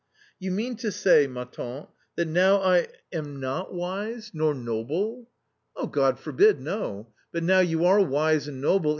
" You meart to say, ma tante y that now I .... am not wise .... nor noble ?"" God forbid, no ! But now you are wise and noble